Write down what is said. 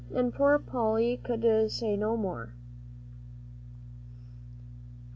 And poor Polly could say no more.